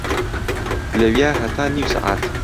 لەویا هەتا نیو سەعات